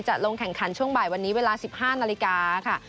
จะลงแข่งขันช่วงบ่ายวันนี้เวลา๑๕นาฬิกาค่ะ